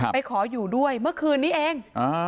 ขออยู่ด้วยเมื่อคืนนี้เอง